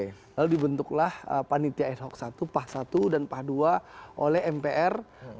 nah itu pada saat itu itu sudah nyata panitia ad hoc i pah i dan pah ii oleh mpr dua ribu empat belas dua ribu sembilan belas